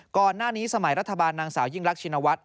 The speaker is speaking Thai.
ก่อนหน้านี้สมัยรัฐบาลนางสาวยิ่งรักชินวัฒน